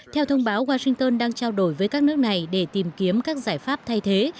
theo thông báo washington đang trao đổi với các nước này để tìm kiếm các giải pháp thay thế